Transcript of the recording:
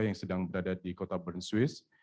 yang sedang berada di kota bern swiss